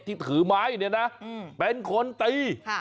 ที่ถือไม้อยู่เนี่ยนะเป็นคนตี